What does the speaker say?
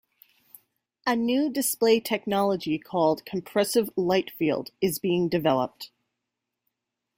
A new display technology called "compressive light field" is being developed.